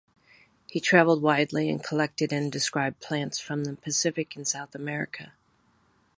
He travelled widely and collected and described plants from the Pacific and South America.